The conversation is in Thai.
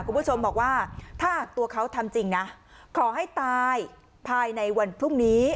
คุณผู้ชมบอกว่าถ้าตัวเขาทำจริงนะขอให้ตายภายในวันพรุ่งนี้